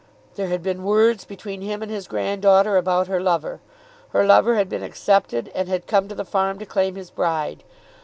There had been words between him and his granddaughter about her lover. Her lover had been accepted and had come to the farm to claim his bride.